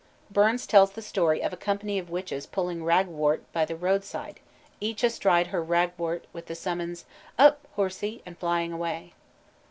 Burns tells the story of a company of witches pulling ragwort by the roadside, getting each astride her ragwort with the summons "Up horsie!" and flying away.